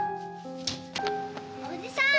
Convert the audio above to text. おじさん！